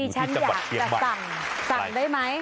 สั่งได้ไหม